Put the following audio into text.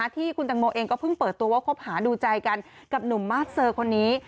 ที่คุณตังโมเองก็เพิ่งเปิดตัวว่าคบหาดูใจกันกับหนุ่มมาสเซอร์คนนี้